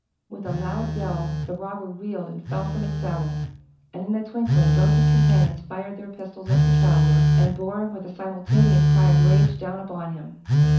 With a loud yell the robber reeled and fell from his saddle, and in a twinkling both his companions fired their pistols at the traveler, and bore, with a simultaneous cry of rage, down upon him.